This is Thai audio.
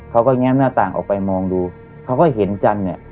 เขาก็แง้มหน้าต่างออกไปมองดูเขาก็เห็นจันทร์เนี่ย